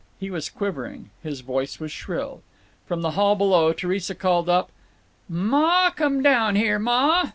He was quivering. His voice was shrill. From the hall below Theresa called up, "Ma, come down here. _Ma!